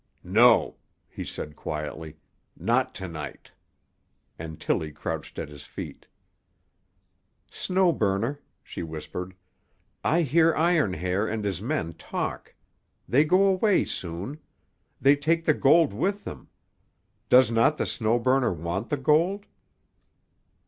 "No," he said quietly, "not to night." And Tillie crouched at his feet. "Snow Burner," she whispered, "I hear Iron Hair and his men talk. They go away soon. They take the gold with them. Does not the Snow Burner want the gold?"